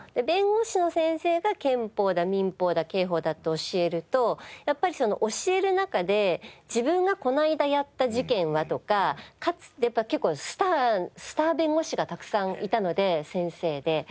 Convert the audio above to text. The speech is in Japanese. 弁護士の先生が憲法だ民法だ刑法だと教えるとやっぱりその教える中で自分がこないだやった事件はとかかつて結構スタースター弁護士がたくさんいたので先生で。